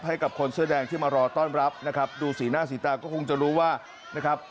ให้กับคนเสื้อแดงที่มารอต้อนรับนะครับดูสีหน้าสีตาก็คงจะรู้ว่านะครับ